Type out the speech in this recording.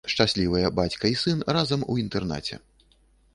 Шчаслівыя бацька і сын разам у інтэрнаце.